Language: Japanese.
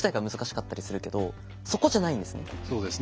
そうですね。